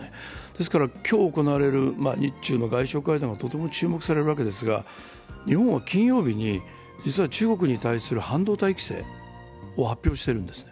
ですから今日行われる日中の外相会談は、とても注目されるわけですが日本は金曜日に実は中国に対する半導体規制を発表しているんです。